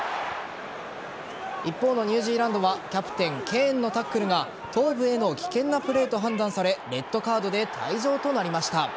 一方のニュージーランドはキャプテン・ケーンのタックルが頭部への危険なプレーと判断されレッドカードで退場となりました。